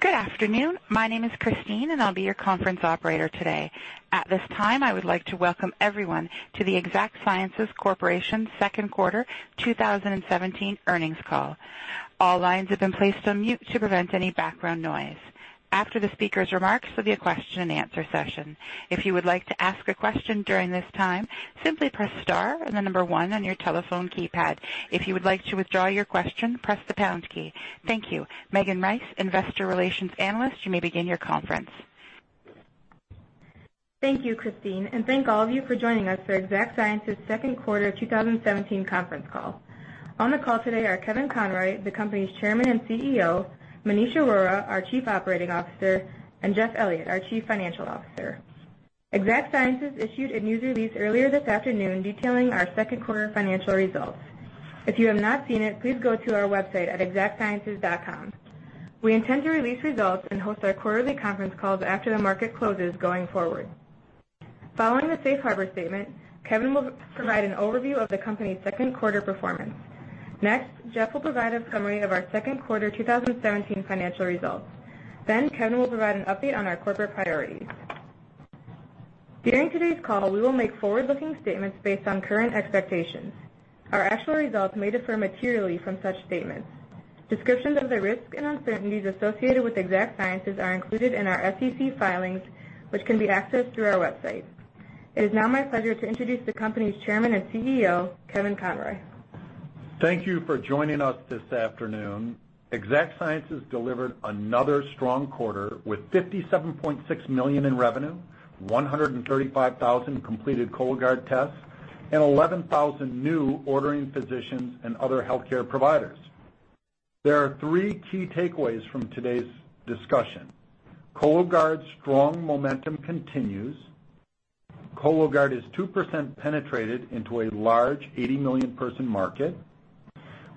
Good afternoon. My name is Christine, and I'll be your conference operator today. At this time, I would like to welcome everyone to the Exact Sciences Corporation's second quarter 2017 earnings call. All lines have been placed on mute to prevent any background noise. After the speaker's remarks, there'll be a question-and-answer session. If you would like to ask a question during this time, simply press star and the number one on your telephone keypad. If you would like to withdraw your question, press the pound key. Thank you. Megan Rice, Investor Relations Analyst, you may begin your conference. Thank you, Christine, and thank all of you for joining us for Exact Sciences' second quarter 2017 conference call. On the call today are Kevin Conroy, the company's Chairman and CEO; Maneesh Arora, our Chief Operating Officer; and Jeff Elliott, our Chief Financial Officer. Exact Sciences issued a news release earlier this afternoon detailing our second quarter financial results. If you have not seen it, please go to our website at exactsciences.com. We intend to release results and host our quarterly conference calls after the market closes going forward. Following the Safe Harbor statement, Kevin will provide an overview of the company's second quarter performance. Next, Jeff will provide a summary of our second quarter 2017 financial results. Then, Kevin will provide an update on our corporate priorities. During today's call, we will make forward-looking statements based on current expectations. Our actual results may differ materially from such statements. Descriptions of the risks and uncertainties associated with Exact Sciences are included in our SEC filings, which can be accessed through our website. It is now my pleasure to introduce the company's Chairman and CEO, Kevin Conroy. Thank you for joining us this afternoon. Exact Sciences delivered another strong quarter with $57.6 million in revenue, 135,000 completed Cologuard tests, and 11,000 new ordering physicians and other healthcare providers. There are three key takeaways from today's discussion. Cologuard's strong momentum continues. Cologuard is 2% penetrated into a large 80 million person market.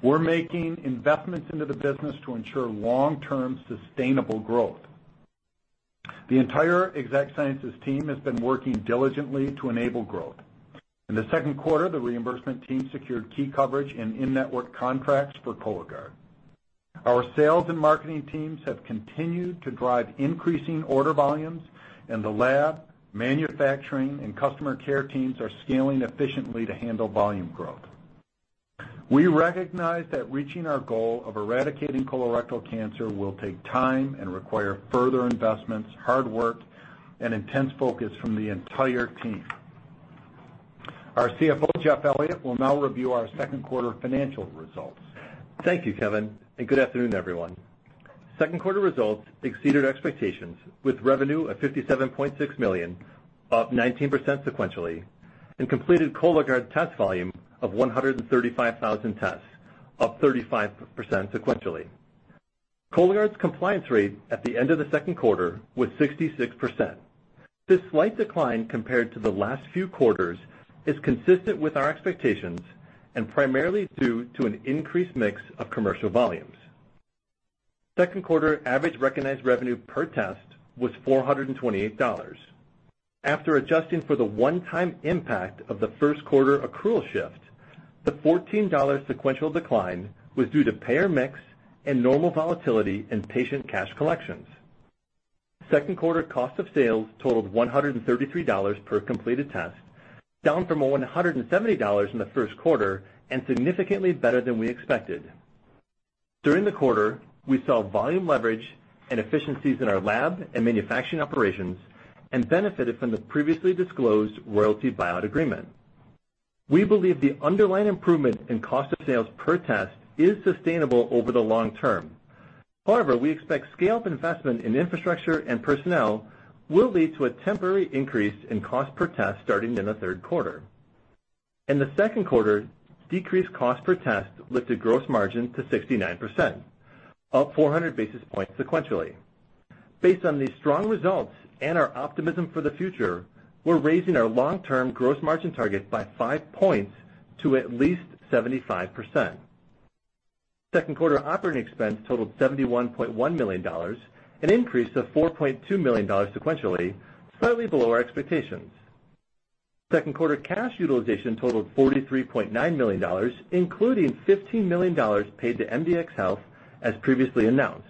We're making investments into the business to ensure long-term sustainable growth. The entire Exact Sciences team has been working diligently to enable growth. In the second quarter, the reimbursement team secured key coverage in in-network contracts for Cologuard. Our sales and marketing teams have continued to drive increasing order volumes, and the lab, manufacturing, and customer care teams are scaling efficiently to handle volume growth. We recognize that reaching our goal of eradicating colorectal cancer will take time and require further investments, hard work, and intense focus from the entire team. Our CFO, Jeff Elliott, will now review our second quarter financial results. Thank you, Kevin, and good afternoon, everyone. Second quarter results exceeded expectations with revenue of $57.6 million, up 19% sequentially, and completed Cologuard test volume of 135,000 tests, up 35% sequentially. Cologuard's compliance rate at the end of the second quarter was 66%. This slight decline compared to the last few quarters is consistent with our expectations and primarily due to an increased mix of commercial volumes. Second quarter average recognized revenue per test was $428. After adjusting for the one-time impact of the first quarter accrual shift, the $14 sequential decline was due to payer mix and normal volatility in patient cash collections. Second quarter cost of sales totaled $133 per completed test, down from $170 in the first quarter and significantly better than we expected. During the quarter, we saw volume leverage and efficiencies in our lab and manufacturing operations and benefited from the previously disclosed royalty buyout agreement. We believe the underlying improvement in cost of sales per test is sustainable over the long term. However, we expect scale-up investment in infrastructure and personnel will lead to a temporary increase in cost per test starting in the third quarter. In the second quarter, decreased cost per test lifted gross margin to 69%, up 400 basis points sequentially. Based on these strong results and our optimism for the future, we're raising our long-term gross margin target by five points to at least 75%. Second quarter operating expense totaled $71.1 million, an increase of $4.2 million sequentially, slightly below our expectations. Second quarter cash utilization totaled $43.9 million, including $15 million paid to MDxHealth as previously announced.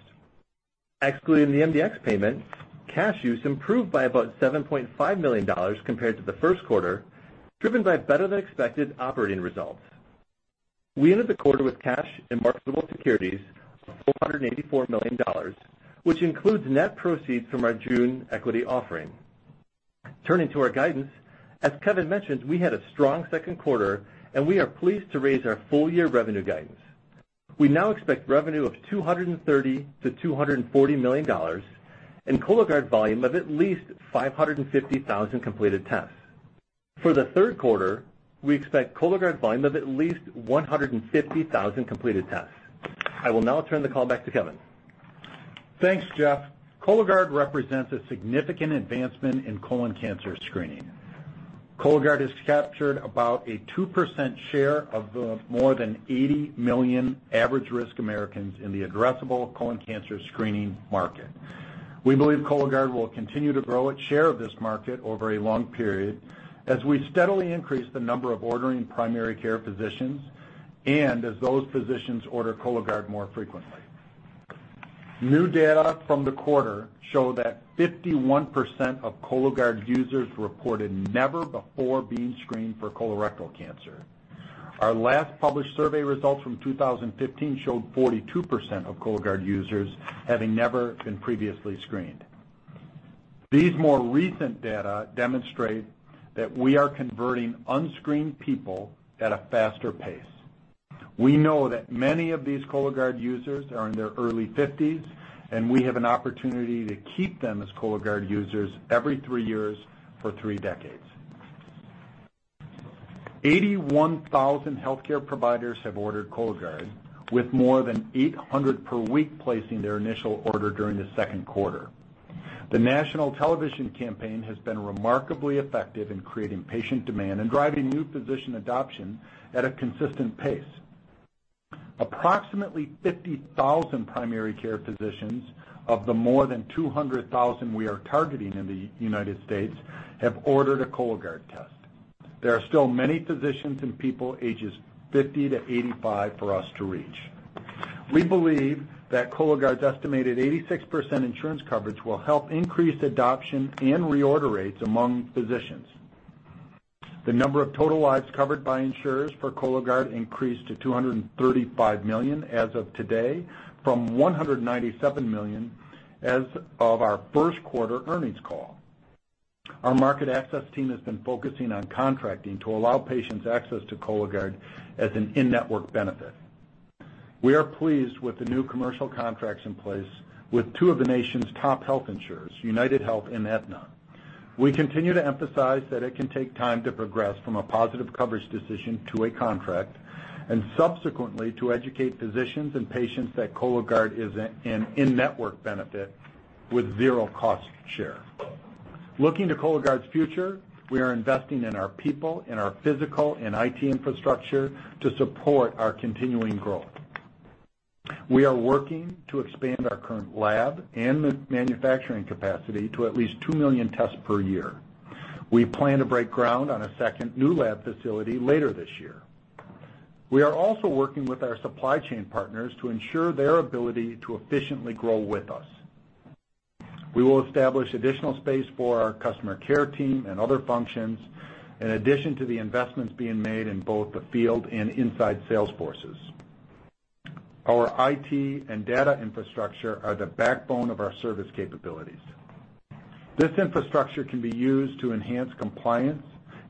Excluding the MDx payments, cash use improved by about $7.5 million compared to the first quarter, driven by better-than-expected operating results. We ended the quarter with cash and marketable securities of $484 million, which includes net proceeds from our June equity offering. Turning to our guidance, as Kevin mentioned, we had a strong second quarter, and we are pleased to raise our full-year revenue guidance. We now expect revenue of $230-$240 million and Cologuard volume of at least 550,000 completed tests. For the third quarter, we expect Cologuard volume of at least 150,000 completed tests. I will now turn the call back to Kevin. Thanks, Jeff. Cologuard represents a significant advancement in colon cancer screening. Cologuard has captured about a 2% share of the more than 80 million average-risk Americans in the addressable colon cancer screening market. We believe Cologuard will continue to grow its share of this market over a long period as we steadily increase the number of ordering primary care physicians and as those physicians order Cologuard more frequently. New data from the quarter show that 51% of Cologuard users reported never before being screened for colorectal cancer. Our last published survey results from 2015 showed 42% of Cologuard users having never been previously screened. These more recent data demonstrate that we are converting unscreened people at a faster pace. We know that many of these Cologuard users are in their early 50s, and we have an opportunity to keep them as Cologuard users every three years for three decades. 81,000 healthcare providers have ordered Cologuard, with more than 800 per week placing their initial order during the second quarter. The national television campaign has been remarkably effective in creating patient demand and driving new physician adoption at a consistent pace. Approximately 50,000 primary care physicians of the more than 200,000 we are targeting in the United States have ordered a Cologuard test. There are still many physicians and people ages 50 to 85 for us to reach. We believe that Cologuard's estimated 86% insurance coverage will help increase adoption and reorder rates among physicians. The number of total lives covered by insurers for Cologuard increased to 235 million as of today, from 197 million as of our first quarter earnings call. Our market access team has been focusing on contracting to allow patients access to Cologuard as an in-network benefit. We are pleased with the new commercial contracts in place with two of the nation's top health insurers, UnitedHealth and Aetna. We continue to emphasize that it can take time to progress from a positive coverage decision to a contract and subsequently to educate physicians and patients that Cologuard is an in-network benefit with zero cost share. Looking to Cologuard's future, we are investing in our people, in our physical and IT infrastructure to support our continuing growth. We are working to expand our current lab and manufacturing capacity to at least 2 million tests per year. We plan to break ground on a second new lab facility later this year. We are also working with our supply chain partners to ensure their ability to efficiently grow with us. We will establish additional space for our customer care team and other functions in addition to the investments being made in both the field and inside sales forces. Our IT and data infrastructure are the backbone of our service capabilities. This infrastructure can be used to enhance compliance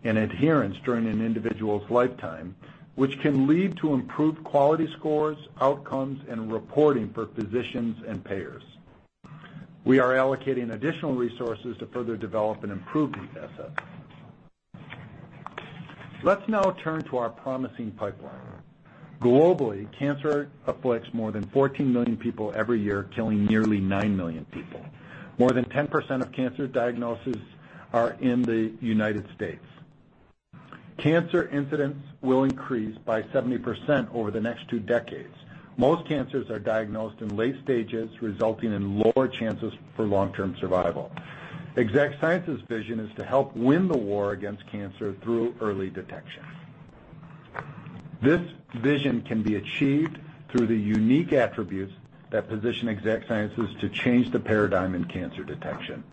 and adherence during an individual's lifetime, which can lead to improved quality scores, outcomes, and reporting for physicians and payers. We are allocating additional resources to further develop and improve the asset. Let's now turn to our promising pipeline. Globally, cancer afflicts more than 14 million people every year, killing nearly 9 million people. More than 10% of cancer diagnoses are in the United States. Cancer incidence will increase by 70% over the next two decades. Most cancers are diagnosed in late stages, resulting in lower chances for long-term survival. Exact Sciences' vision is to help win the war against cancer through early detection. This vision can be achieved through the unique attributes that position Exact Sciences to change the paradigm in cancer detection.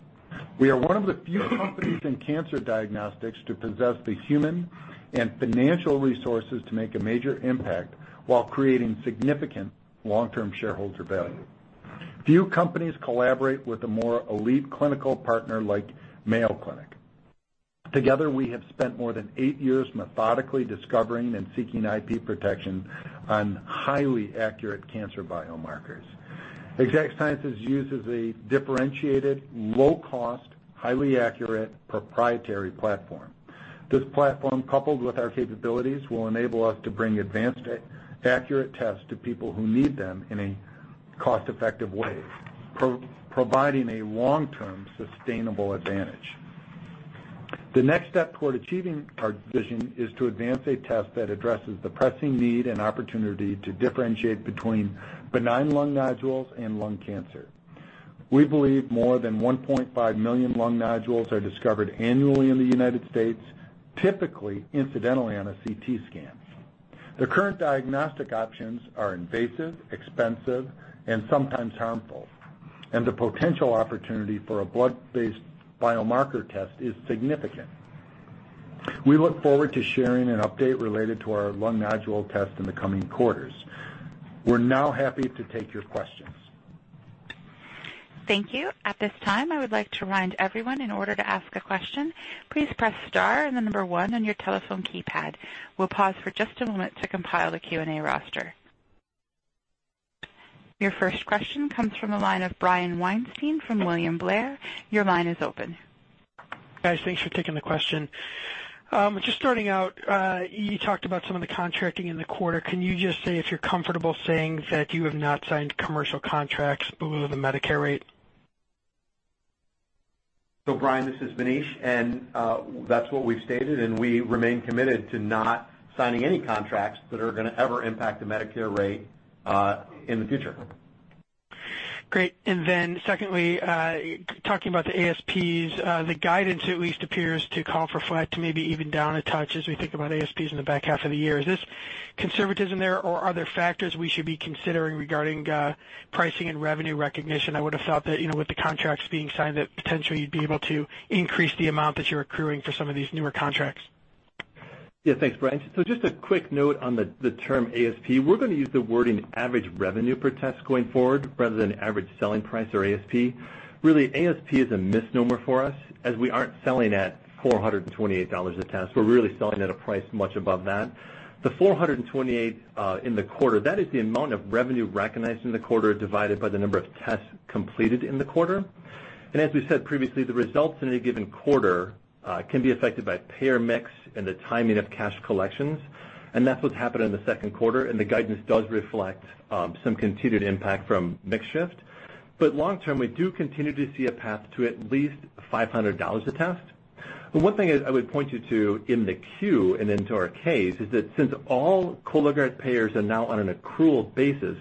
We are one of the few companies in cancer diagnostics to possess the human and financial resources to make a major impact while creating significant long-term shareholder value. Few companies collaborate with a more elite clinical partner like Mayo Clinic. Together, we have spent more than eight years methodically discovering and seeking IP protection on highly accurate cancer biomarkers. Exact Sciences uses a differentiated, low-cost, highly accurate, proprietary platform. This platform, coupled with our capabilities, will enable us to bring advanced, accurate tests to people who need them in a cost-effective way, providing a long-term sustainable advantage. The next step toward achieving our vision is to advance a test that addresses the pressing need and opportunity to differentiate between benign lung nodules and lung cancer. We believe more than 1.5 million lung nodules are discovered annually in the United States, typically incidentally on a CT scan. The current diagnostic options are invasive, expensive, and sometimes harmful, and the potential opportunity for a blood-based biomarker test is significant. We look forward to sharing an update related to our lung nodule test in the coming quarters. We're now happy to take your questions. Thank you. At this time, I would like to remind everyone in order to ask a question, please press star and the number one on your telephone keypad. We'll pause for just a moment to compile the Q&A roster. Your first question comes from the line of Brian Weinstein from William Blair. Your line is open. Guys, thanks for taking the question. Just starting out, you talked about some of the contracting in the quarter. Can you just say if you're comfortable saying that you have not signed commercial contracts below the Medicare rate? Brian, this is Maneesh, and that's what we've stated, and we remain committed to not signing any contracts that are going to ever impact the Medicare rate in the future. Great. Secondly, talking about the ASPs, the guidance at least appears to call for flat to maybe even down a touch as we think about ASPs in the back half of the year. Is this conservatism there, or are there factors we should be considering regarding pricing and revenue recognition? I would have thought that with the contracts being signed, that potentially you'd be able to increase the amount that you're accruing for some of these newer contracts. Yeah, thanks, Brian. Just a quick note on the term ASP. We're going to use the wording average revenue per test going forward rather than average selling price or ASP. Really, ASP is a misnomer for us as we aren't selling at $428 a test. We're really selling at a price much above that. The $428 in the quarter, that is the amount of revenue recognized in the quarter divided by the number of tests completed in the quarter. As we said previously, the results in a given quarter can be affected by payer mix and the timing of cash collections, and that's what's happened in the second quarter, and the guidance does reflect some continued impact from mix shift. Long term, we do continue to see a path to at least $500 a test. One thing I would point you to in the 10-Q and into our 10-Ks is that since all Cologuard payers are now on an accrual basis,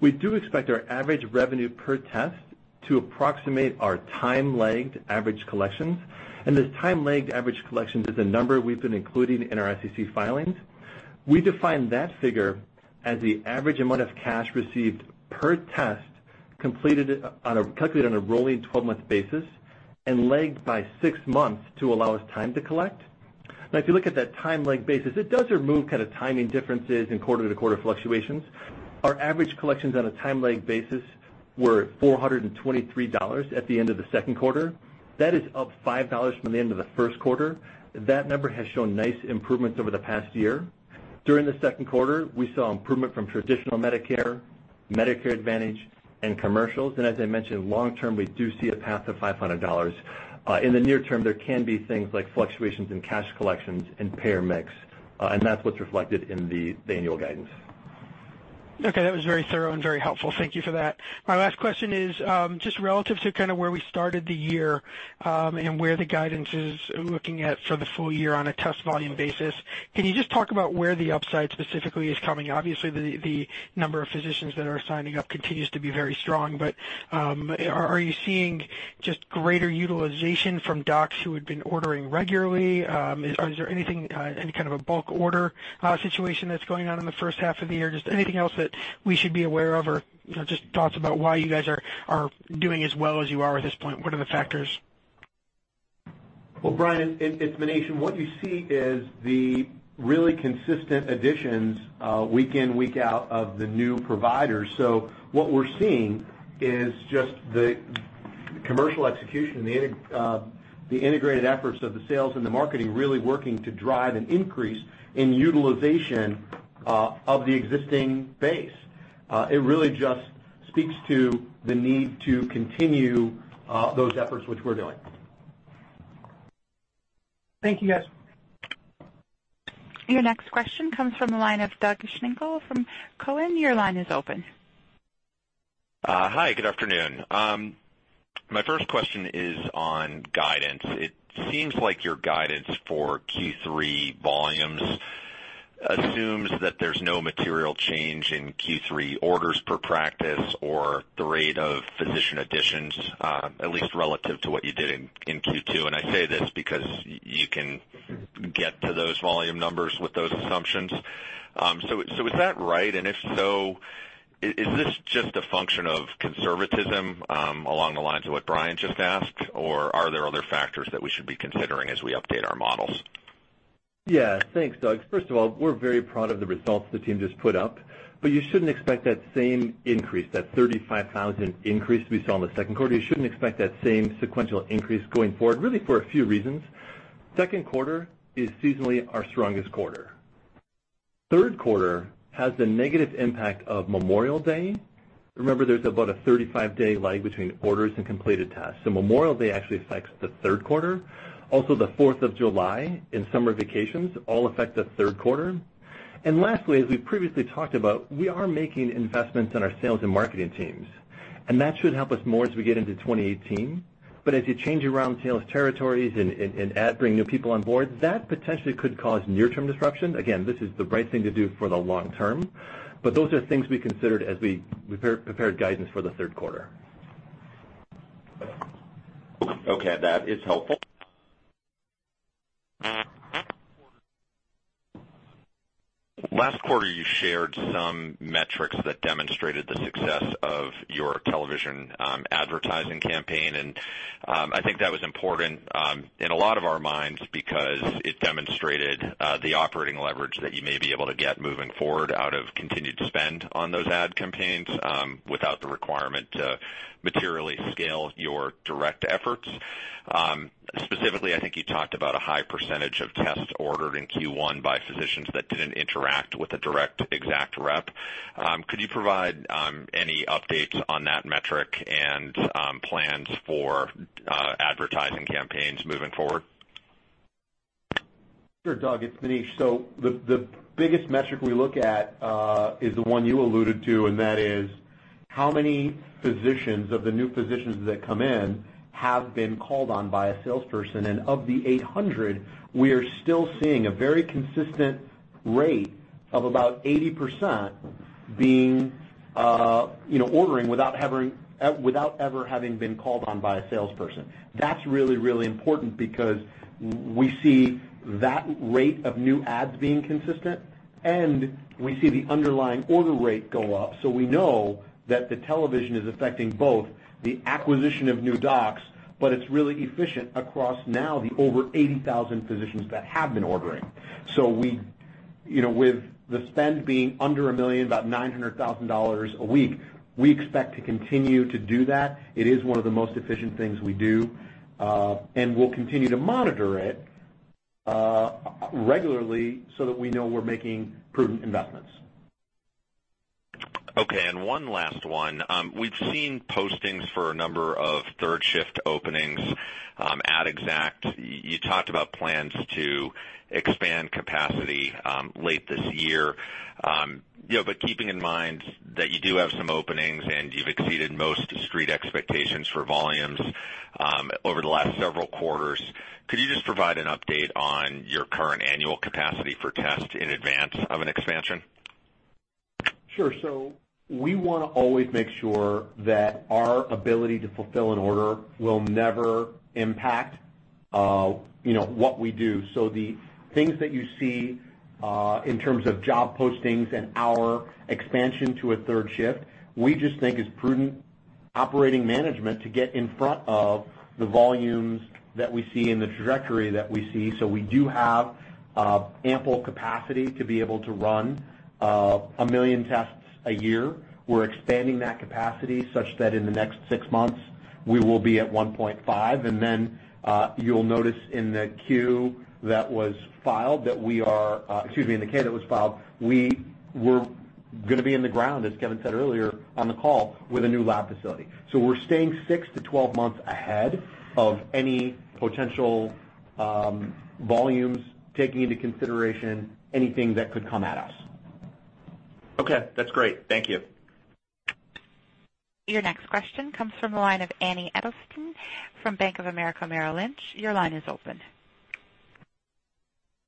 we do expect our average revenue per test to approximate our time-lagged average collections. This time-lagged average collection is a number we've been including in our SEC filings. We define that figure as the average amount of cash received per test calculated on a rolling 12-month basis and lagged by six months to allow us time to collect. Now, if you look at that time-lagged basis, it does remove kind of timing differences and quarter-to-quarter fluctuations. Our average collections on a time-lagged basis were $423 at the end of the second quarter. That is up $5 from the end of the first quarter. That number has shown nice improvements over the past year. During the second quarter, we saw improvement from traditional Medicare, Medicare Advantage, and commercials. As I mentioned, long term, we do see a path to $500. In the near term, there can be things like fluctuations in cash collections and payer mix, and that's what's reflected in the annual guidance. Okay, that was very thorough and very helpful. Thank you for that. My last question is just relative to kind of where we started the year and where the guidance is looking at for the full year on a test volume basis. Can you just talk about where the upside specifically is coming? Obviously, the number of physicians that are signing up continues to be very strong, but are you seeing just greater utilization from docs who had been ordering regularly? Is there anything, any kind of a bulk order situation that's going on in the first half of the year? Just anything else that we should be aware of or just thoughts about why you guys are doing as well as you are at this point? What are the factors? Brian, it's Maneesh. What you see is the really consistent additions week in, week out of the new providers. What we're seeing is just the commercial execution and the integrated efforts of the sales and the marketing really working to drive an increase in utilization of the existing base. It really just speaks to the need to continue those efforts, which we're doing. Thank you, guys. Your next question comes from the line of Doug Schenkel from Cowen. Your line is open. Hi, good afternoon. My first question is on guidance. It seems like your guidance for Q3 volumes assumes that there's no material change in Q3 orders per practice or the rate of physician additions, at least relative to what you did in Q2. I say this because you can get to those volume numbers with those assumptions. Is that right? If so, is this just a function of conservatism along the lines of what Brian just asked, or are there other factors that we should be considering as we update our models? Yeah, thanks, Doug. First of all, we're very proud of the results the team just put up, but you shouldn't expect that same increase, that 35,000 increase we saw in the second quarter. You shouldn't expect that same sequential increase going forward, really for a few reasons. Second quarter is seasonally our strongest quarter. Third quarter has the negative impact of Memorial Day. Remember, there's about a 35-day lag between orders and completed tests. So Memorial Day actually affects the third quarter. Also, the 4th of July and summer vacations all affect the third quarter. Lastly, as we previously talked about, we are making investments in our sales and marketing teams, and that should help us more as we get into 2018. As you change around sales territories and bring new people on board, that potentially could cause near-term disruption. Again, this is the right thing to do for the long term, but those are things we considered as we prepared guidance for the third quarter. Okay, that is helpful. Last quarter, you shared some metrics that demonstrated the success of your television advertising campaign, and I think that was important in a lot of our minds because it demonstrated the operating leverage that you may be able to get moving forward out of continued spend on those ad campaigns without the requirement to materially scale your direct efforts. Specifically, I think you talked about a high percentage of tests ordered in Q1 by physicians that did not interact with a direct Exact rep. Could you provide any updates on that metric and plans for advertising campaigns moving forward? Sure, Doug. It's Maneesh. The biggest metric we look at is the one you alluded to, and that is how many physicians of the new physicians that come in have been called on by a salesperson. Of the 800, we are still seeing a very consistent rate of about 80% being ordering without ever having been called on by a salesperson. That's really, really important because we see that rate of new ads being consistent, and we see the underlying order rate go up. We know that the television is affecting both the acquisition of new docs, but it's really efficient across now the over 80,000 physicians that have been ordering. With the spend being under $1 million, about $900,000 a week, we expect to continue to do that. It is one of the most efficient things we do, and we'll continue to monitor it regularly so that we know we're making prudent investments. Okay, and one last one. We've seen postings for a number of third-shift openings at Exact. You talked about plans to expand capacity late this year, but keeping in mind that you do have some openings and you've exceeded most street expectations for volumes over the last several quarters, could you just provide an update on your current annual capacity for tests in advance of an expansion? Sure. We want to always make sure that our ability to fulfill an order will never impact what we do. The things that you see in terms of job postings and our expansion to a third shift, we just think is prudent operating management to get in front of the volumes that we see and the trajectory that we see. We do have ample capacity to be able to run a million tests a year. We are expanding that capacity such that in the next six months, we will be at 1.5. You will notice in the Q that was filed that we are, excuse me, in the 10-K that was filed, we were going to be in the ground, as Kevin said earlier on the call, with a new lab facility. We're staying 6-12 months ahead of any potential volumes, taking into consideration anything that could come at us. Okay, that's great. Thank you. Your next question comes from the line of Anne Edelstein from Bank of America Merrill Lynch. Your line is open.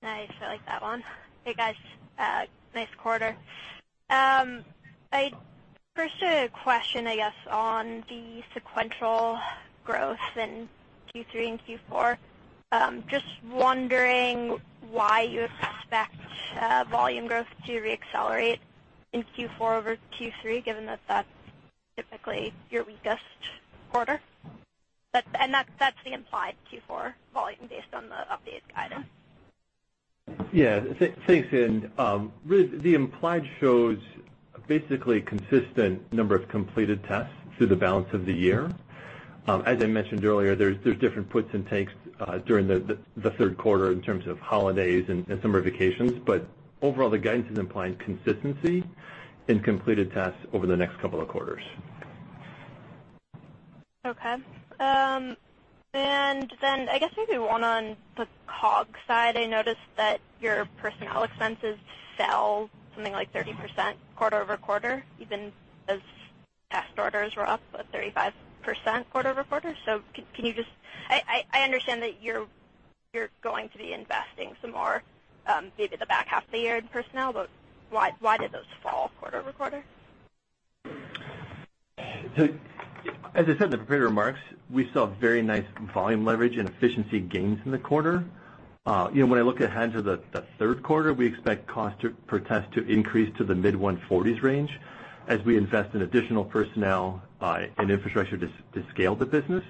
Nice. I like that one. Hey, guys. Nice quarter. First, a question, I guess, on the sequential growth in Q3 and Q4. Just wondering why you expect volume growth to re-accelerate in Q4 over Q3, given that that is typically your weakest quarter. That is the implied Q4 volume based on the updated guidance. Yeah, thanks. Really, the implied shows basically a consistent number of completed tests through the balance of the year. As I mentioned earlier, there are different puts and takes during the third quarter in terms of holidays and summer vacations, but overall, the guidance is implying consistency in completed tests over the next couple of quarters. Okay. I guess maybe one on the COGS side. I noticed that your personnel expenses fell something like 30% quarter-over-quarter, even as test orders were up at 35% quarter-over-quarter. Can you just—I understand that you're going to be investing some more maybe the back half of the year in personnel, but why did those fall quarter-over-quarter? As I said in the prepared remarks, we saw very nice volume leverage and efficiency gains in the quarter. When I look ahead to the third quarter, we expect cost per test to increase to the mid-$140s range as we invest in additional personnel and infrastructure to scale the business.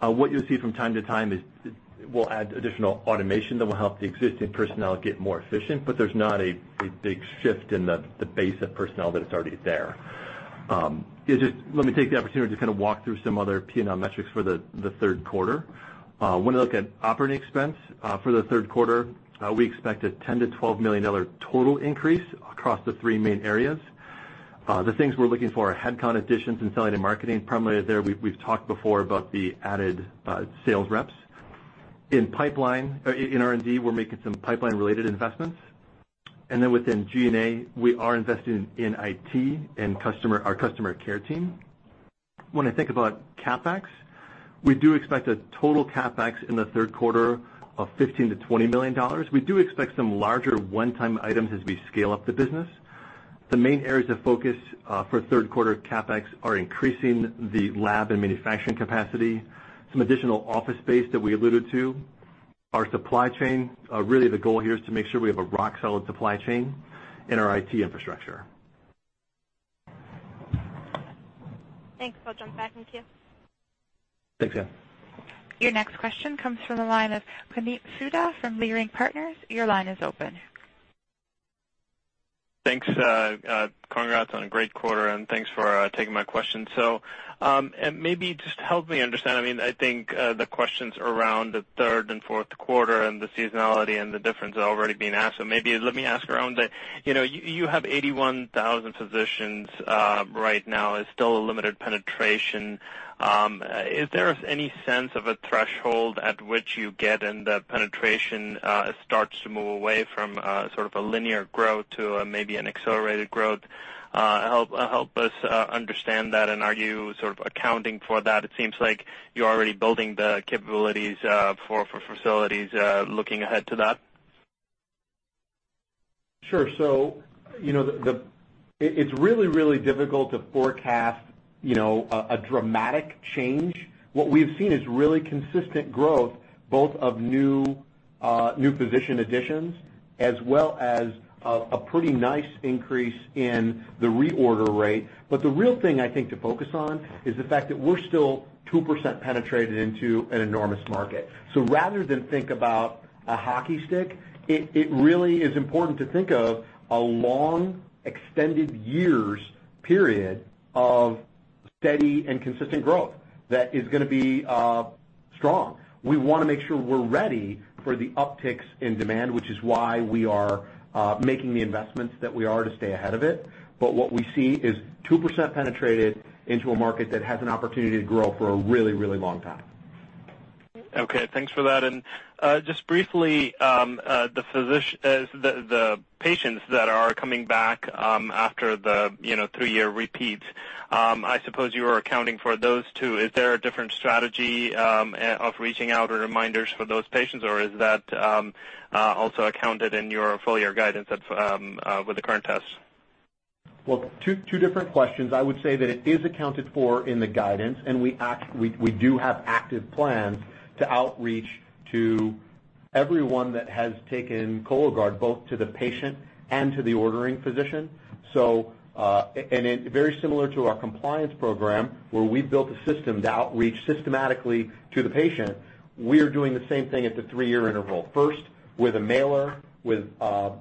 What you'll see from time to time is we'll add additional automation that will help the existing personnel get more efficient, but there's not a big shift in the base of personnel that's already there. Let me take the opportunity to kind of walk through some other P&L metrics for the third quarter. When I look at operating expense for the third quarter, we expect a $10-$12 million total increase across the three main areas. The things we're looking for are headcount additions and selling and marketing. Primarily there, we've talked before about the added sales reps. In R&D, we're making some pipeline-related investments. Then within G&A, we are investing in IT and our customer care team. When I think about CapEx, we do expect a total CapEx in the third quarter of $15 million-$20 million. We do expect some larger one-time items as we scale up the business. The main areas of focus for third quarter CapEx are increasing the lab and manufacturing capacity, some additional office space that we alluded to, our supply chain. Really, the goal here is to make sure we have a rock-solid supply chain and our IT infrastructure. Thanks. I'll jump back in too. Thanks, Anne. Your next question comes from the line of Puneet Souda from Leerink Partners. Your line is open. Thanks. Congrats on a great quarter, and thanks for taking my question. Maybe just help me understand. I mean, I think the questions around the third and fourth quarter and the seasonality and the difference are already being asked. Maybe let me ask around that. You have 81,000 physicians right now. It's still a limited penetration. Is there any sense of a threshold at which you get in, the penetration starts to move away from sort of a linear growth to maybe an accelerated growth? Help us understand that. Are you sort of accounting for that? It seems like you're already building the capabilities for facilities looking ahead to that. Sure. So it's really, really difficult to forecast a dramatic change. What we've seen is really consistent growth, both of new physician additions as well as a pretty nice increase in the reorder rate. The real thing I think to focus on is the fact that we're still 2% penetrated into an enormous market. Rather than think about a hockey stick, it really is important to think of a long extended years period of steady and consistent growth that is going to be strong. We want to make sure we're ready for the upticks in demand, which is why we are making the investments that we are to stay ahead of it. What we see is 2% penetrated into a market that has an opportunity to grow for a really, really long time. Okay. Thanks for that. Just briefly, the patients that are coming back after the three-year repeat, I suppose you are accounting for those too. Is there a different strategy of reaching out or reminders for those patients, or is that also accounted in your full-year guidance with the current tests? Two different questions. I would say that it is accounted for in the guidance, and we do have active plans to outreach to everyone that has taken Cologuard, both to the patient and to the ordering physician. Very similar to our compliance program, where we built a system to outreach systematically to the patient, we are doing the same thing at the three-year interval. First with a mailer, with a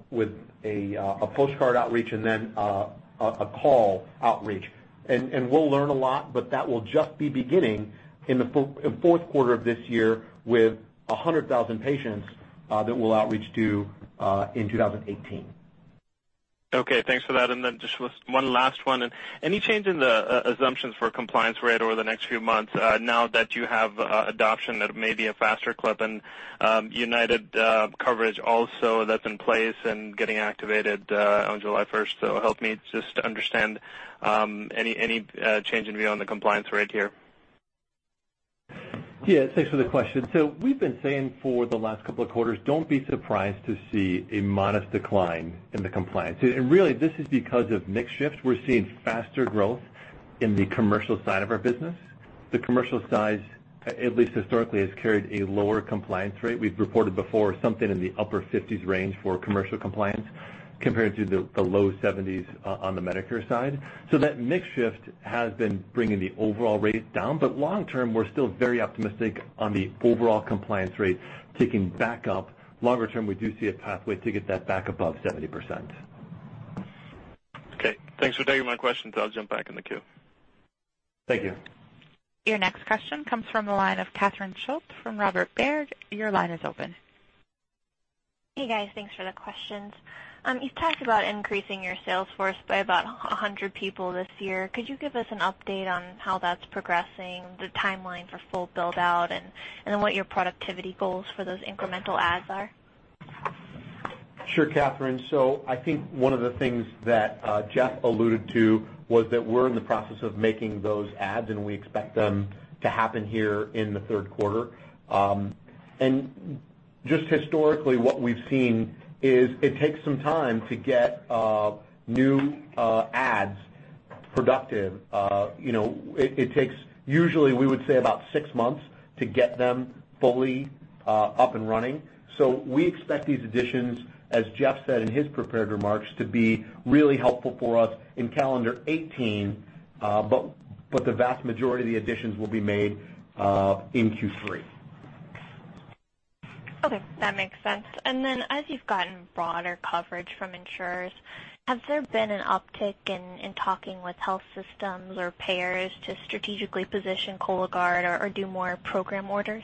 postcard outreach, and then a call outreach. We will learn a lot, but that will just be beginning in the fourth quarter of this year with 100,000 patients that we will outreach to in 2018. Okay. Thanks for that. And then just one last one. Any change in the assumptions for compliance rate over the next few months now that you have adoption that may be a faster clip and UnitedHealth coverage also that's in place and getting activated on July 1? Help me just understand any change in view on the compliance rate here. Yeah. Thanks for the question. We've been saying for the last couple of quarters, do not be surprised to see a modest decline in the compliance. This is because of mixed shifts. We're seeing faster growth in the commercial side of our business. The commercial side, at least historically, has carried a lower compliance rate. We've reported before something in the upper 50% range for commercial compliance compared to the low 70% on the Medicare side. That mixed shift has been bringing the overall rate down, but long term, we're still very optimistic on the overall compliance rate ticking back up. Longer term, we do see a pathway to get that back above 70%. Okay. Thanks for taking my questions. I'll jump back in the queue. Thank you. Your next question comes from the line of Catherine Schulte from Robert Baird. Your line is open. Hey, guys. Thanks for the questions. You talked about increasing your sales force by about 100 people this year. Could you give us an update on how that's progressing, the timeline for full build-out, and then what your productivity goals for those incremental ads are? Sure, Catherine. I think one of the things that Jeff alluded to was that we're in the process of making those ads, and we expect them to happen here in the third quarter. Just historically, what we've seen is it takes some time to get new ads productive. It takes usually, we would say, about six months to get them fully up and running. We expect these additions, as Jeff said in his prepared remarks, to be really helpful for us in calendar 2018, but the vast majority of the additions will be made in Q3. Okay. That makes sense. As you've gotten broader coverage from insurers, has there been an uptick in talking with health systems or payers to strategically position Cologuard or do more program orders?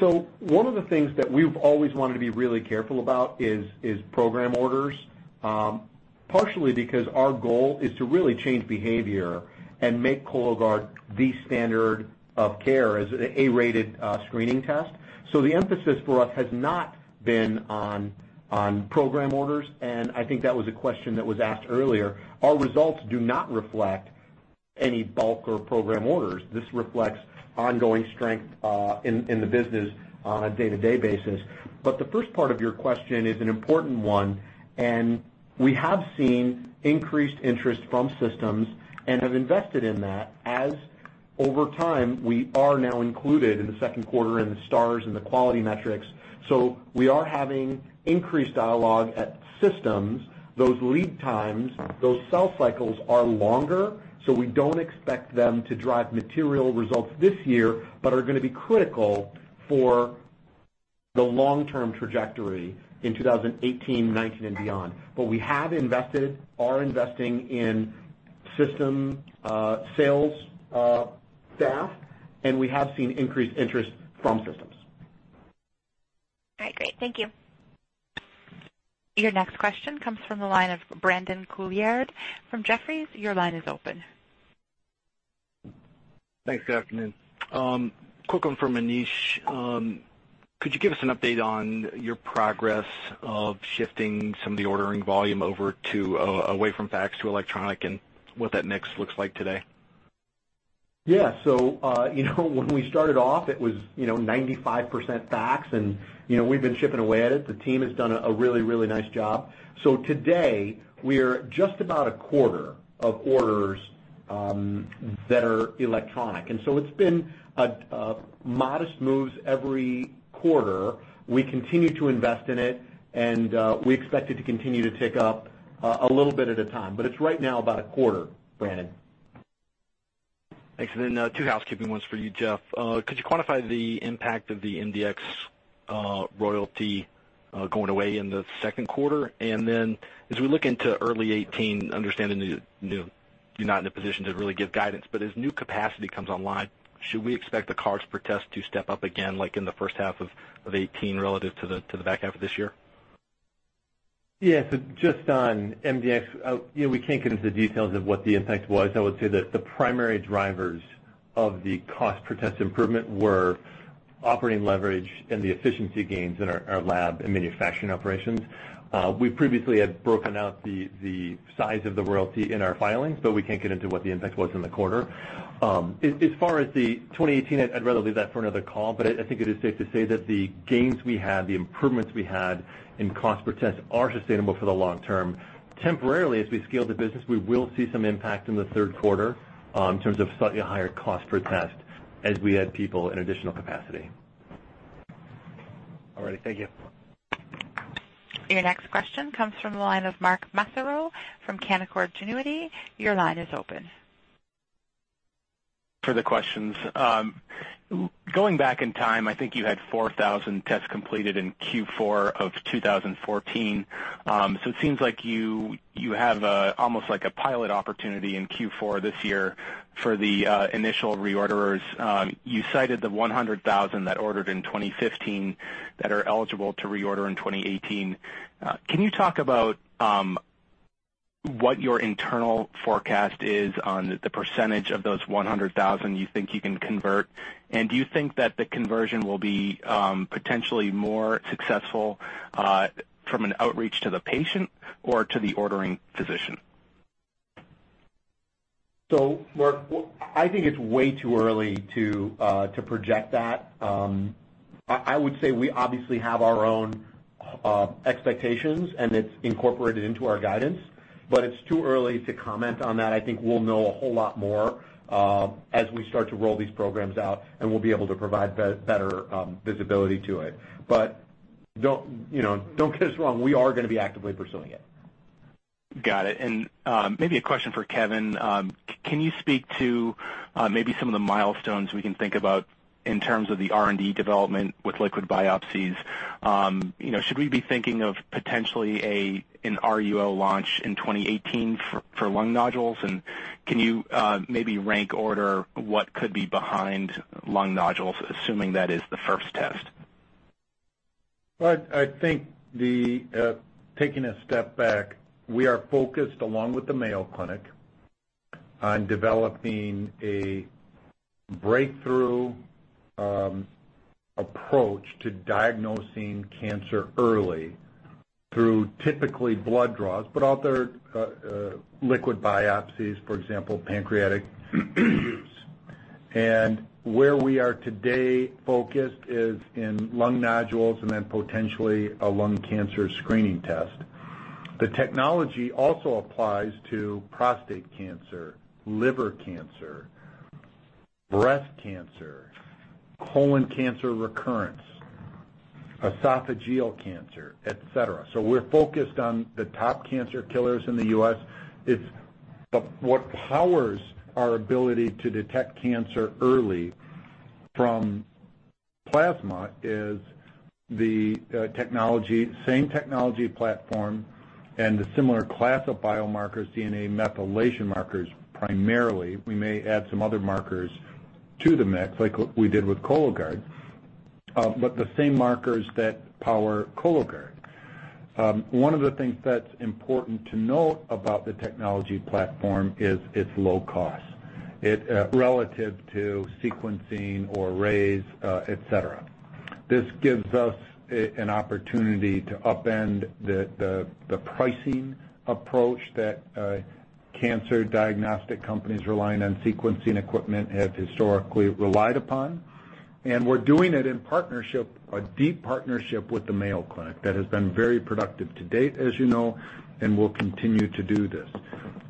One of the things that we've always wanted to be really careful about is program orders, partially because our goal is to really change behavior and make Cologuard the standard of care as an A-rated screening test. The emphasis for us has not been on program orders. I think that was a question that was asked earlier. Our results do not reflect any bulk or program orders. This reflects ongoing strength in the business on a day-to-day basis. The first part of your question is an important one. We have seen increased interest from systems and have invested in that as over time, we are now included in the second quarter in the stars and the quality metrics. We are having increased dialogue at systems. Those lead times, those sell cycles are longer, so we do not expect them to drive material results this year, but are going to be critical for the long-term trajectory in 2018, 2019, and beyond. But we have invested, are investing in system sales staff, and we have seen increased interest from systems. All right. Great. Thank you. Your next question comes from the line of Brandon Couillard from Jefferies. Your line is open. Thanks. Good afternoon. Quick one from Anish. Could you give us an update on your progress of shifting some of the ordering volume away from fax to electronic and what that mix looks like today? Yeah. When we started off, it was 95% fax, and we've been chipping away at it. The team has done a really, really nice job. Today, we are just about a quarter of orders that are electronic. It has been modest moves every quarter. We continue to invest in it, and we expect it to continue to tick up a little bit at a time. It is right now about a quarter, Brandon. Thanks. Two housekeeping ones for you, Jeff. Could you quantify the impact of the MDX royalty going away in the second quarter? As we look into early 2018, understanding you're not in a position to really give guidance, but as new capacity comes online, should we expect the COGS per test to step up again like in the first half of 2018 relative to the back half of this year? Yeah. Just on MDX, we can't get into the details of what the impact was. I would say that the primary drivers of the cost per test improvement were operating leverage and the efficiency gains in our lab and manufacturing operations. We previously had broken out the size of the royalty in our filings, but we can't get into what the impact was in the quarter. As far as the 2018, I'd rather leave that for another call, but I think it is safe to say that the gains we had, the improvements we had in cost per test, are sustainable for the long term. Temporarily, as we scale the business, we will see some impact in the third quarter in terms of slightly higher cost per test as we add people and additional capacity. All righty. Thank you. Your next question comes from the line of Mark Massaro from Canaccord Genuity. Your line is open. For the questions. Going back in time, I think you had 4,000 tests completed in Q4 of 2014. It seems like you have almost like a pilot opportunity in Q4 this year for the initial reorders. You cited the 100,000 that ordered in 2015 that are eligible to reorder in 2018. Can you talk about what your internal forecast is on the percentage of those 100,000 you think you can convert? Do you think that the conversion will be potentially more successful from an outreach to the patient or to the ordering physician? Mark, I think it's way too early to project that. I would say we obviously have our own expectations, and it's incorporated into our guidance. It's too early to comment on that. I think we'll know a whole lot more as we start to roll these programs out, and we'll be able to provide better visibility to it. Don't get us wrong. We are going to be actively pursuing it. Got it. Maybe a question for Kevin. Can you speak to maybe some of the milestones we can think about in terms of the R&D development with liquid biopsies? Should we be thinking of potentially an RUO launch in 2018 for lung nodules? Can you maybe rank order what could be behind lung nodules, assuming that is the first test? I think taking a step back, we are focused, along with the Mayo Clinic, on developing a breakthrough approach to diagnosing cancer early through typically blood draws, but also liquid biopsies, for example, pancreatic use. Where we are today focused is in lung nodules and then potentially a lung cancer screening test. The technology also applies to prostate cancer, liver cancer, breast cancer, colon cancer recurrence, esophageal cancer, etc. We are focused on the top cancer killers in the U.S. What powers our ability to detect cancer early from plasma is the same technology platform and the similar class of biomarkers, DNA methylation markers primarily. We may add some other markers to the mix like we did with Cologuard, but the same markers that power Cologuard. One of the things that's important to note about the technology platform is it's low cost relative to sequencing or arrays, etc. This gives us an opportunity to upend the pricing approach that cancer diagnostic companies relying on sequencing equipment have historically relied upon. We're doing it in partnership, a deep partnership with the Mayo Clinic that has been very productive to date, as you know, and will continue to do this.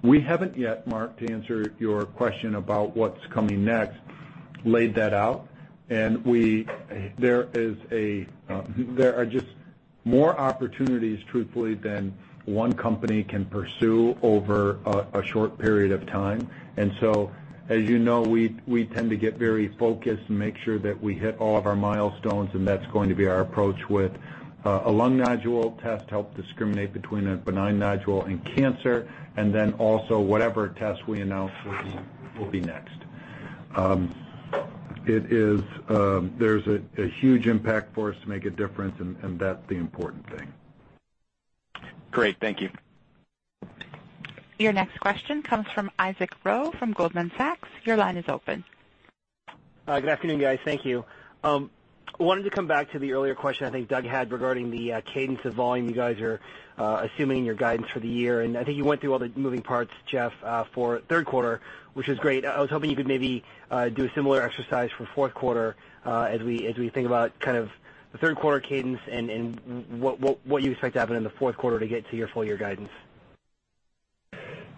We haven't yet, Mark, to answer your question about what's coming next, laid that out. There are just more opportunities, truthfully, than one company can pursue over a short period of time. As you know, we tend to get very focused and make sure that we hit all of our milestones, and that is going to be our approach with a lung nodule test to help discriminate between a benign nodule and cancer, and then also whatever test we announce will be next. There is a huge impact for us to make a difference, and that is the important thing. Great. Thank you. Your next question comes from Isaac Ro from Goldman Sachs. Your line is open. Good afternoon, guys. Thank you. I wanted to come back to the earlier question I think Doug had regarding the cadence of volume you guys are assuming in your guidance for the year. I think you went through all the moving parts, Jeff, for third quarter, which is great. I was hoping you could maybe do a similar exercise for fourth quarter as we think about kind of the third quarter cadence and what you expect to happen in the fourth quarter to get to your full-year guidance.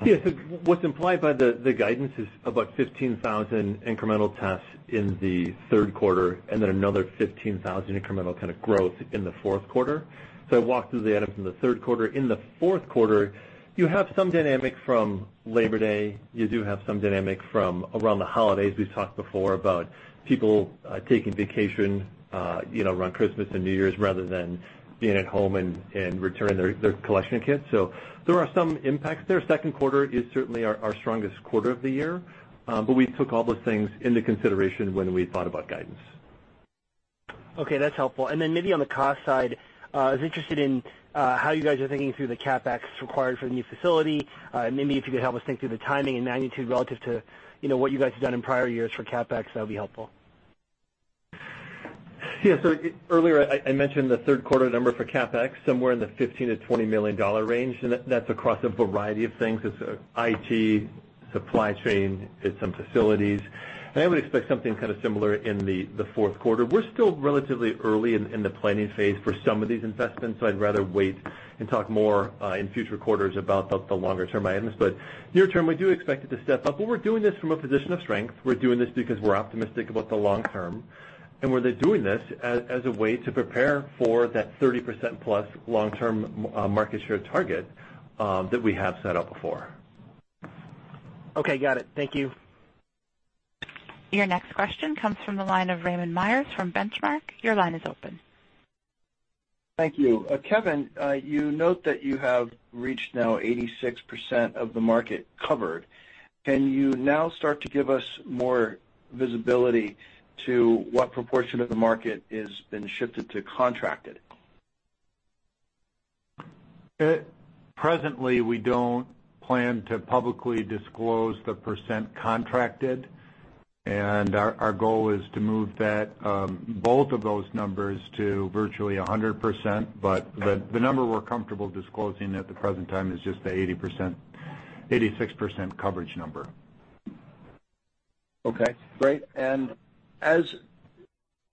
Yeah. What's implied by the guidance is about 15,000 incremental tests in the third quarter and then another 15,000 incremental kind of growth in the fourth quarter. I walked through the items in the third quarter. In the fourth quarter, you have some dynamic from Labor Day. You do have some dynamic from around the holidays. We've talked before about people taking vacation around Christmas and New Year's rather than being at home and returning their collection kit. There are some impacts there. Second quarter is certainly our strongest quarter of the year, but we took all those things into consideration when we thought about guidance. Okay. That's helpful. Maybe on the cost side, I was interested in how you guys are thinking through the CapEx required for the new facility. Maybe if you could help us think through the timing and magnitude relative to what you guys have done in prior years for CapEx, that would be helpful. Yeah. Earlier, I mentioned the third quarter number for CapEx, somewhere in the $15 million-$20 million range. That is across a variety of things. It is IT, supply chain, it is some facilities. I would expect something kind of similar in the fourth quarter. We are still relatively early in the planning phase for some of these investments, so I would rather wait and talk more in future quarters about the longer-term items. Near term, we do expect it to step up. We are doing this from a position of strength. We are doing this because we are optimistic about the long term. We are doing this as a way to prepare for that 30%+ long-term market share target that we have set up before. Okay. Got it. Thank you. Your next question comes from the line of Raymond Myers from Benchmark. Your line is open. Thank you. Kevin, you note that you have reached now 86% of the market covered. Can you now start to give us more visibility to what proportion of the market has been shifted to contracted? Presently, we don't plan to publicly disclose the % contracted, and our goal is to move both of those numbers to virtually 100%. The number we're comfortable disclosing at the present time is just the 86% coverage number. Great. As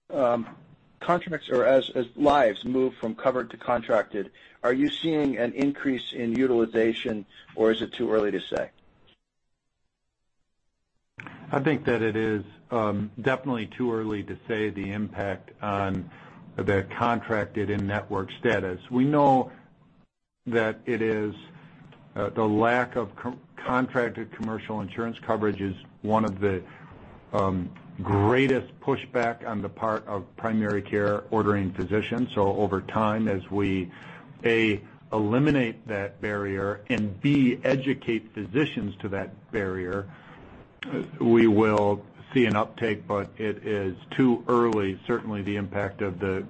contracts or as lives move from covered to contracted, are you seeing an increase in utilization, or is it too early to say? I think that it is definitely too early to say the impact on the contracted and network status. We know that it is the lack of contracted commercial insurance coverage is one of the greatest pushback on the part of primary care ordering physicians. Over time, as we eliminate that barrier and, B, educate physicians to that barrier, we will see an uptake, but it is too early. Certainly, the impact of the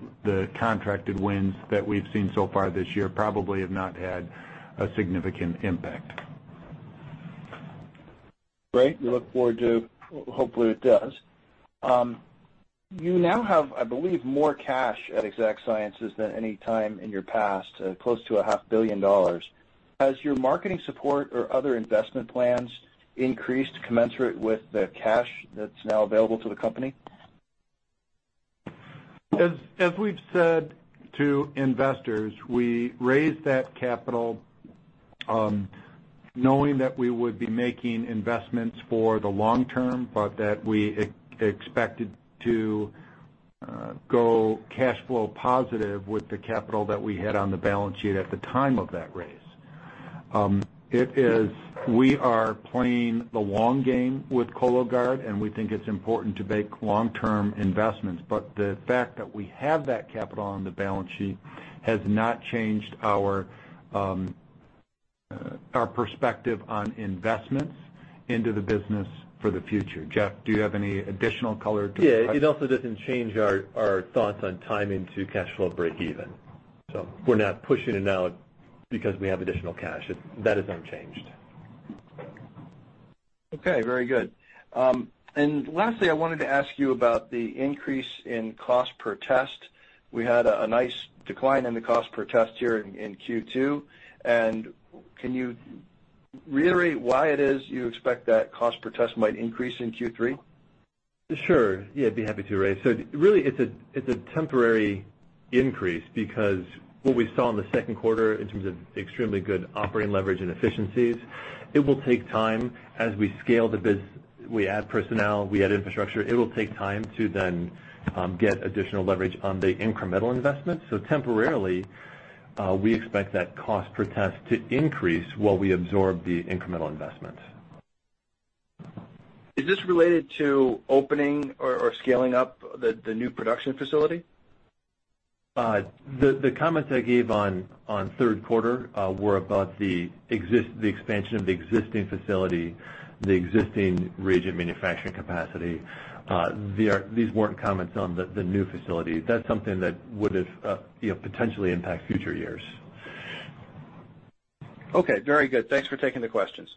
contracted wins that we've seen so far this year probably have not had a significant impact. Great. We look forward to hopefully it does. You now have, I believe, more cash at Exact Sciences than any time in your past, close to $500,000,000. Has your marketing support or other investment plans increased commensurate with the cash that's now available to the company? As we've said to investors, we raised that capital knowing that we would be making investments for the long term, but that we expected to go cash flow positive with the capital that we had on the balance sheet at the time of that raise. We are playing the long game with Cologuard, and we think it's important to make long-term investments. The fact that we have that capital on the balance sheet has not changed our perspective on investments into the business for the future. Jeff, do you have any additional color to add? Yeah. It also does not change our thoughts on timing to cash flow breakeven. We are not pushing it out because we have additional cash. That is unchanged. Okay. Very good. Lastly, I wanted to ask you about the increase in cost per test. We had a nice decline in the cost per test here in Q2. Can you reiterate why it is you expect that cost per test might increase in Q3? Sure. Yeah. I'd be happy to. Really, it's a temporary increase because what we saw in the second quarter in terms of extremely good operating leverage and efficiencies, it will take time as we scale the business. We add personnel. We add infrastructure. It will take time to then get additional leverage on the incremental investments. Temporarily, we expect that cost per test to increase while we absorb the incremental investments. Is this related to opening or scaling up the new production facility? The comments I gave on third quarter were about the expansion of the existing facility, the existing region manufacturing capacity. These were not comments on the new facility. That is something that would potentially impact future years. Okay. Very good. Thanks for taking the questions.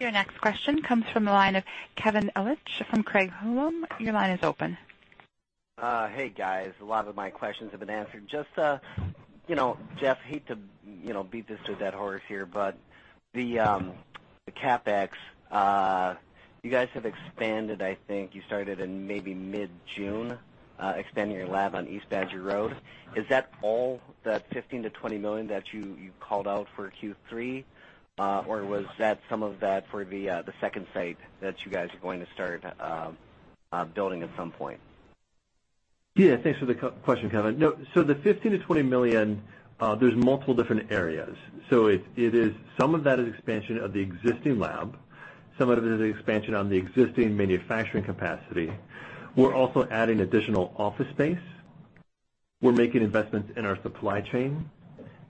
Your next question comes from the line of Kevin Ellich from Craig Hallum. Your line is open. Hey, guys. A lot of my questions have been answered. Just, Jeff, hate to beat this to death horse here, but the CapEx, you guys have expanded, I think you started in maybe mid-June, expanding your lab on East Badger Road. Is that all that $15-20 million that you called out for Q3, or was that some of that for the second site that you guys are going to start building at some point? Yeah. Thanks for the question, Kevin. The $15 million-$20 million, there's multiple different areas. Some of that is expansion of the existing lab. Some of it is expansion on the existing manufacturing capacity. We're also adding additional office space. We're making investments in our supply chain,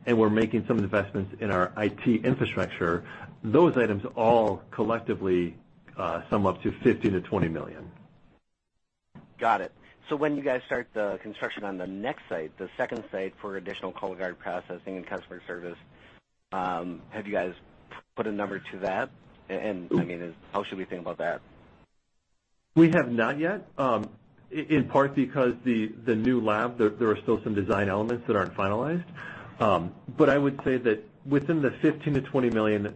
and we're making some investments in our IT infrastructure. Those items all collectively sum up to $15 million-$20 million. Got it. When you guys start the construction on the next site, the second site for additional Cologuard processing and customer service, have you guys put a number to that? I mean, how should we think about that? We have not yet, in part because the new lab, there are still some design elements that aren't finalized. I would say that within the $15 million-$20 million,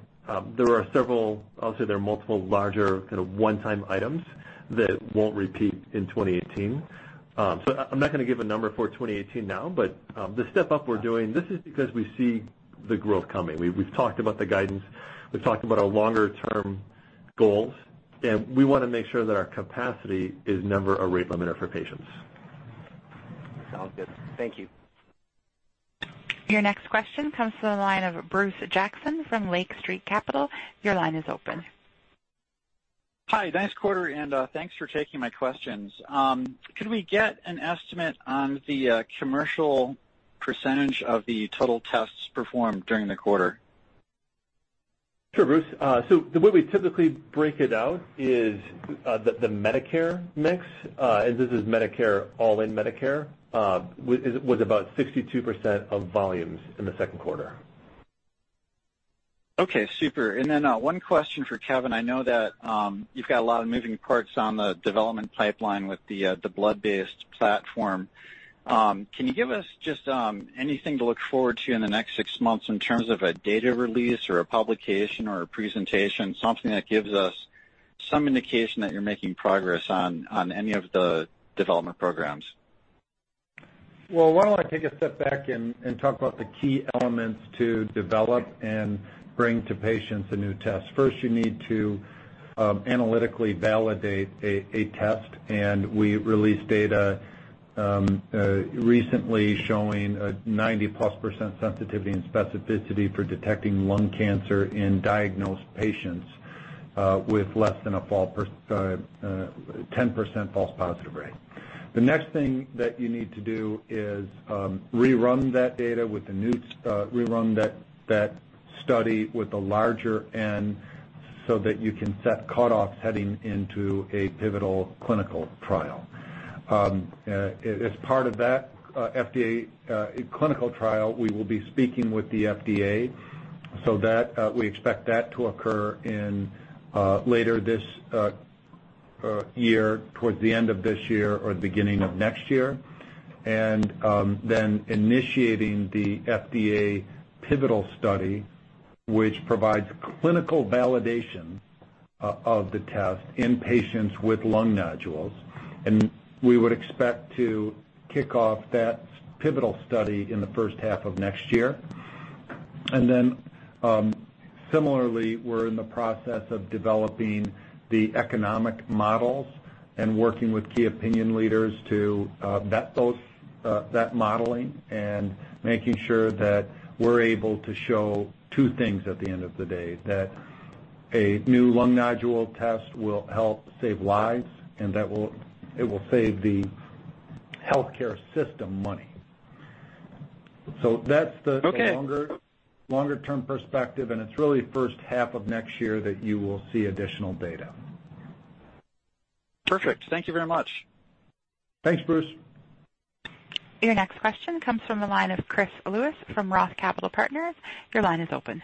there are several—I'll say there are multiple larger kind of one-time items that won't repeat in 2018. I'm not going to give a number for 2018 now, but the step up we're doing, this is because we see the growth coming. We've talked about the guidance. We've talked about our longer-term goals, and we want to make sure that our capacity is never a rate limiter for patients. Sounds good. Thank you. Your next question comes from the line of Bruce Jackson from Lake Street Capital. Your line is open. Hi. Nice quarter, and thanks for taking my questions. Could we get an estimate on the commercial % of the total tests performed during the quarter? Sure, Bruce. The way we typically break it out is the Medicare mix, and this is Medicare all in Medicare, was about 62% of volumes in the second quarter. Okay. Super. One question for Kevin. I know that you've got a lot of moving parts on the development pipeline with the blood-based platform. Can you give us just anything to look forward to in the next six months in terms of a data release or a publication or a presentation, something that gives us some indication that you're making progress on any of the development programs? I will take a step back and talk about the key elements to develop and bring to patients a new test. First, you need to analytically validate a test, and we released data recently showing a 90% plus sensitivity and specificity for detecting lung cancer in diagnosed patients with less than a 10% false positive rate. The next thing that you need to do is rerun that data with a new—rerun that study with a larger N so that you can set cutoffs heading into a pivotal clinical trial. As part of that FDA clinical trial, we will be speaking with the FDA. We expect that to occur later this year, towards the end of this year or the beginning of next year, and then initiating the FDA pivotal study, which provides clinical validation of the test in patients with lung nodules. We would expect to kick off that pivotal study in the first half of next year. Similarly, we're in the process of developing the economic models and working with key opinion leaders to vet that modeling and making sure that we're able to show two things at the end of the day: that a new lung nodule test will help save lives and that it will save the healthcare system money. That's the longer-term perspective, and it's really first half of next year that you will see additional data. Perfect. Thank you very much. Thanks, Bruce. Your next question comes from the line of Chris Lewis from Roth Capital Partners. Your line is open.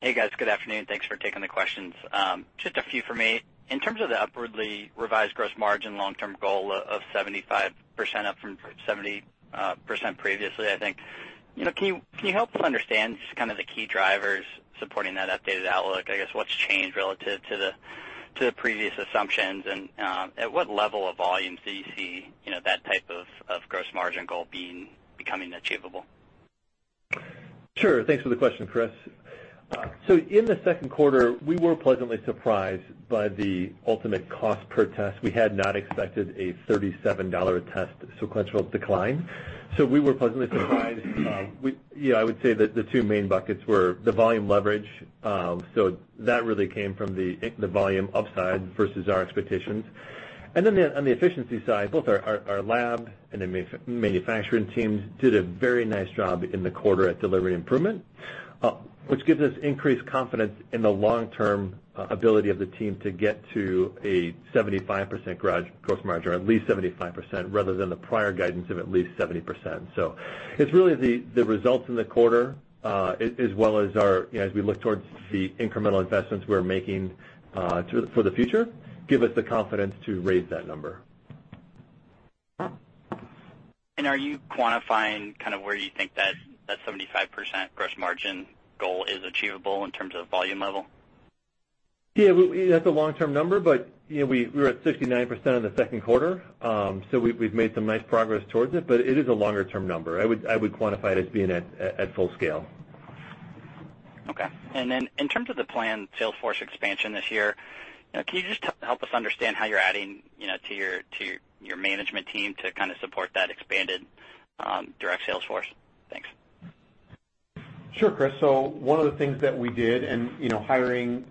Hey, guys. Good afternoon. Thanks for taking the questions. Just a few for me. In terms of the upwardly revised gross margin long-term goal of 75% up from 70% previously, I think, can you help us understand kind of the key drivers supporting that updated outlook? I guess what's changed relative to the previous assumptions, and at what level of volumes do you see that type of gross margin goal becoming achievable? Sure. Thanks for the question, Chris. In the second quarter, we were pleasantly surprised by the ultimate cost per test. We had not expected a $37 test sequential decline. We were pleasantly surprised. I would say that the two main buckets were the volume leverage. That really came from the volume upside versus our expectations. On the efficiency side, both our lab and manufacturing teams did a very nice job in the quarter at delivering improvement, which gives us increased confidence in the long-term ability of the team to get to a 75% gross margin or at least 75% rather than the prior guidance of at least 70%. It is really the results in the quarter, as well as as we look towards the incremental investments we are making for the future, that give us the confidence to raise that number. Are you quantifying kind of where you think that 75% gross margin goal is achievable in terms of volume level? Yeah. That's a long-term number, but we were at 69% in the second quarter. We've made some nice progress towards it, but it is a longer-term number. I would quantify it as being at full scale. Okay. In terms of the planned Salesforce expansion this year, can you just help us understand how you're adding to your management team to kind of support that expanded direct Salesforce? Thanks. Sure, Chris. One of the things that we did, and hiring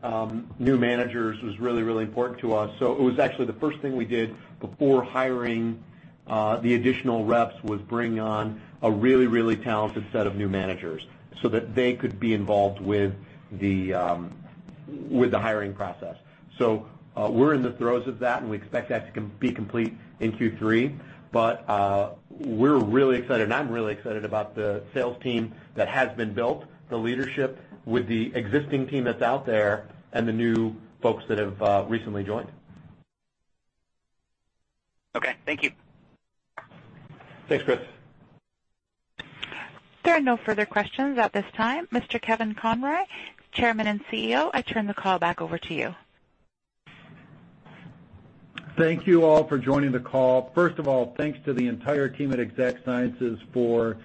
new managers was really, really important to us. It was actually the first thing we did before hiring the additional reps, was bring on a really, really talented set of new managers so that they could be involved with the hiring process. We are in the throes of that, and we expect that to be complete in Q3. We are really excited, and I am really excited about the sales team that has been built, the leadership with the existing team that is out there, and the new folks that have recently joined. Okay. Thank you. Thanks, Chris. There are no further questions at this time. Mr. Kevin Conroy, Chairman and CEO, I turn the call back over to you. Thank you all for joining the call. First of all, thanks to the entire team at Exact Sciences for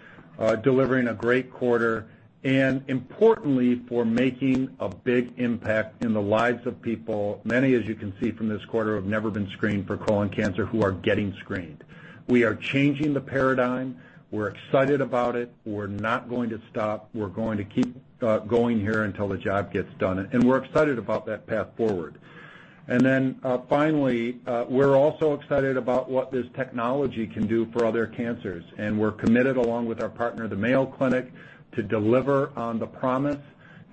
delivering a great quarter and, importantly, for making a big impact in the lives of people. Many, as you can see from this quarter, have never been screened for colon cancer who are getting screened. We are changing the paradigm. We are excited about it. We are not going to stop. We are going to keep going here until the job gets done. We are excited about that path forward. Finally, we are also excited about what this technology can do for other cancers. We are committed, along with our partner, the Mayo Clinic, to deliver on the promise,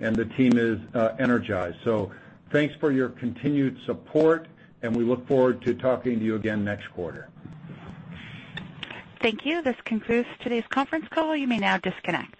and the team is energized. Thank you for your continued support, and we look forward to talking to you again next quarter. Thank you. This concludes today's conference call. You may now disconnect.